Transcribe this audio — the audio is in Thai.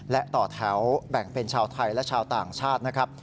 และต่อแถวแบ่งเป็นชาวไทยและชาวต่างชาตินะครับ